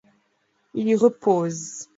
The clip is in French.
Il y repose.